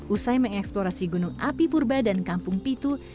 usai mengeksplorasi gunung api purba dan kampung pitu